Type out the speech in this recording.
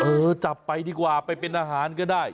เออจับไปดีกว่าไปเป็นอาหารก็ได้